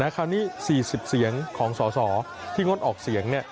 คราวนี้๔๐เสียงของสสที่งดออกเสียง